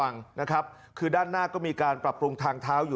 และเพิ่มความละมัดระวังด้านหน้าก็มีการปรับปรุงทางเท้า